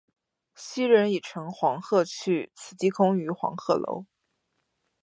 昔人已乘黄鹤去，此地空余黄鹤楼。